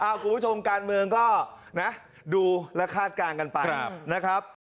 คุณผู้ชมการเมืองก็นะดูและคาดการณ์กันไปนะครับ